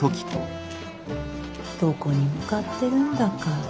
どこに向かってるんだか。